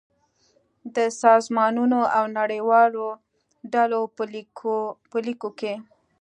د سازمانونو او نړیوالو ډلو په ليکو کې